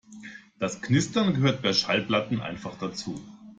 Das Knistern gehört bei Schallplatten einfach dazu.